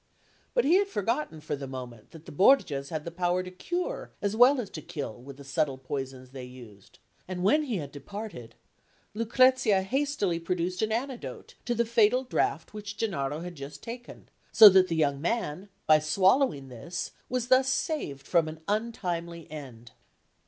But he had forgotten for the moment that the Borgias had the power to cure as well as to kill with the subtle poisons they used; and when he had departed, Lucrezia hastily produced an antidote to the fatal draught which Gennaro had just taken, so that the young man, by swallowing this, was thus saved from an untimely end.